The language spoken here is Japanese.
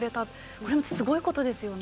これ、すごいことですね。